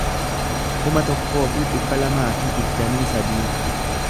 kuma tokkoo fi dhibba lamaa fi digdamii sadii